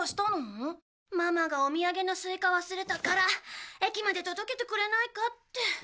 ママがお土産のスイカ忘れたから駅まで届けてくれないかって。